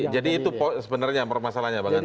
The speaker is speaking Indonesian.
jadi itu sebenarnya masalahnya bang andri